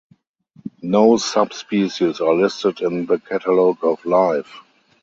No subspecies are listed in the Catalogue of Life.